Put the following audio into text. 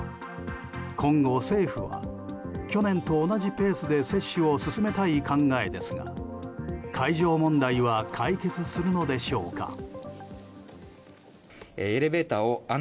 今後、政府は去年と同じペースで接種を進めたい考えですが会場問題は解決するのでしょうか。